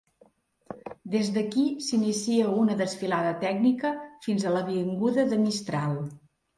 Des d'aquí s'inicia una desfilada tècnica fins a l'avinguda de Mistral.